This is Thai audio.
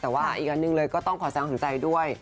แต่ว่าอีกอันนึงเลยก็ต้องขอแสนของใจด้วย